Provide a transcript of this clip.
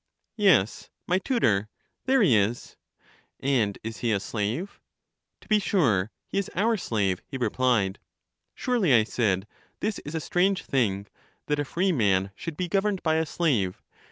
Yes, my tutor ; there he is. And is he a slave? To be sure ; he is our slave, he replied. Surely, I said, this is a strange thing, that a free man should be governed by a slave.